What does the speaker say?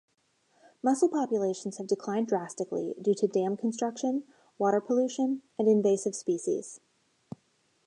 Mussel populations have declined drastically due to dam construction, water pollution, and invasive species.